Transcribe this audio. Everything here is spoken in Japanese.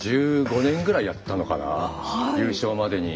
１５年ぐらいやったのかな優勝までに。